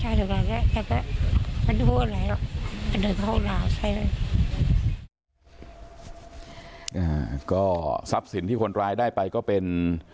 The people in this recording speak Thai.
อ่าก็ทรัพย์สินที่คนร้ายได้ไปก็เป็น